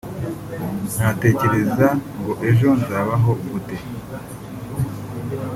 ntatekereza ngo ejo nzabaho gute